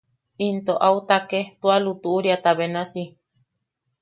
Into au take tua lutuʼuriata benasi;.